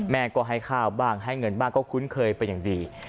แม่ก็ให้ข้าวบ้างให้เงินบ้างก็คุ้นเคยเป็นอย่างดี